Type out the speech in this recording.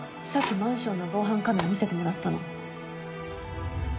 さっきマンションの防犯カメラ見せてもらったの。